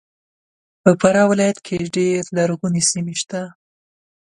په فراه ولایت کې ډېر لرغونې سیمې سته